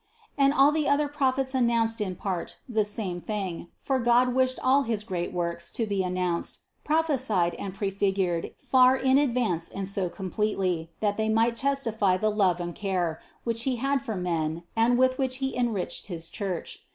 And all the other prophets announced in part the same thing, for God wished all his great works to be announced, prophesied and prefigured far in ad vance and so completely, that they might testify the love and care, which He had for men and with which He enriched his Church.